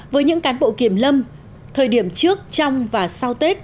với những cán bộ kiểm lâm thời điểm trước trong và sau tết